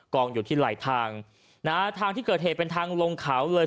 องอยู่ที่ไหลทางนะฮะทางที่เกิดเหตุเป็นทางลงเขาเลย